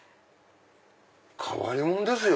⁉変わり者ですよ。